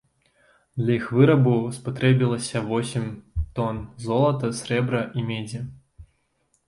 Для іх вырабу спатрэбілася восем тон золата, срэбра і медзі.